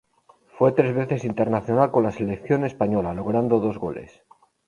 Fue tres veces internacional con la selección española, logrando dos goles.